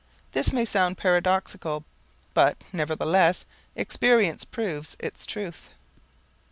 This may sound paradoxical, but, nevertheless, experience proves its truth.